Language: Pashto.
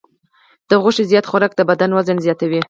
د غوښې زیات خوراک د بدن وزن زیاتوي.